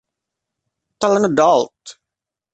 Tell an adult!